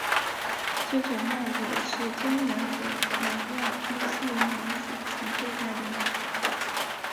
这种帽也是中亚和南亚穆斯林男子常佩戴的帽子。